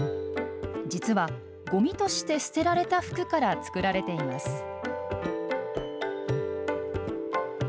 実は、ごみとして捨てられた服から作られています。